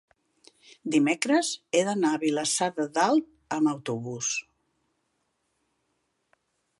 dimecres he d'anar a Vilassar de Dalt amb autobús.